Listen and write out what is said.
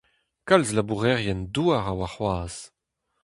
Kalz labourerien-douar a oa c'hoazh.